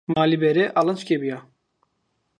Mali bere, alınc ke, bia.